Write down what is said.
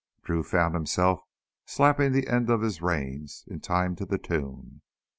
Drew found himself slapping the ends of his reins in time to the tune.